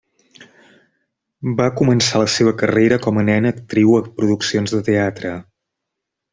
Va començar la seva carrera com a nena actriu a produccions de teatre.